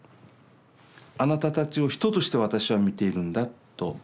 あなたたちを人として私は見ているんだと。